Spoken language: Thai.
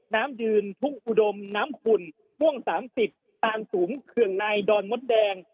น้ำยืนทุกอุดมน้ำฝุ่นม่วง๓๐ตานสูงเคืองในดอนมดแดง